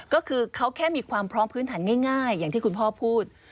ก็คือเขาแค่มีความพร้อมพื้นฐานง่ายอย่างที่คุณพ่อพูด